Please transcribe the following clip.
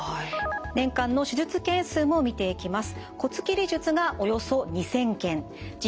年間の手術件数も見ていきます。